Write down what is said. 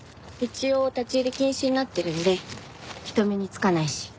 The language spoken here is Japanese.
一応立ち入り禁止になってるんで人目につかないし。